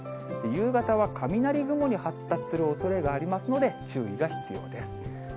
夕方は雷雲に発達するおそれがありますので、注意が必要です。